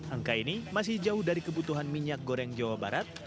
angka ini masih jauh dari kebutuhan minyak goreng jawa barat